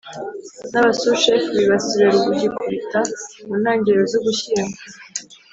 n abasushefu bibasiwe rugikubita mu ntangiriro z Ugushyingo